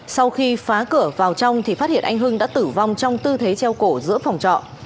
sau khi phá cửa vào trong thì phát hiện anh hưng đã tử vong trong tư thế treo cổ giữa phòng trọ